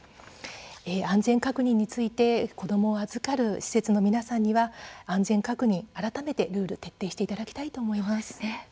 安全確認について子どもを預かる施設の皆さんには改めてルールを徹底していただきたいと思います。